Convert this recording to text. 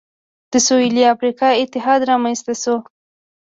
د سوېلي افریقا اتحاد رامنځته شو.